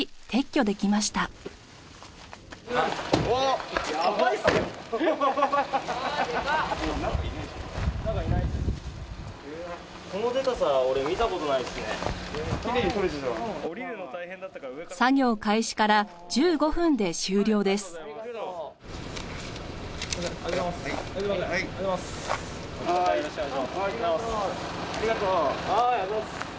はーいありがとうございます。